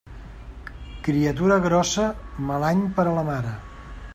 Criatura grossa, mal any per a la mare.